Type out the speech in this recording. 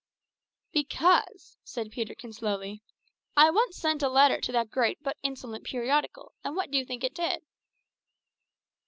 "Because," said Peterkin slowly, "I once sent a letter to that great but insolent periodical, and what do you think it did?"